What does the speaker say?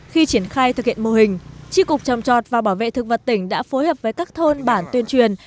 khi triển khai thực hiện mô hình tri cục trồng trọt và bảo vệ thực vật tỉnh đã phối hợp với các thôn bản tuyên truyền